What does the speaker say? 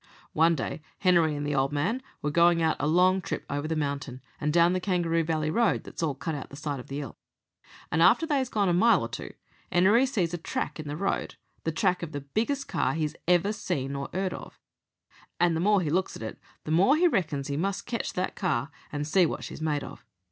"One day Henery and the old man were going out a long trip over the mountain, and down the Kangaroo Valley Road that's all cut out of the side of the 'ill. And after they's gone a mile or two, Henery sees a track in the road the track of the biggest car he ever seen or 'eard of. An' the more he looks at it, the more he reckons he must ketch that car and see what she's made of.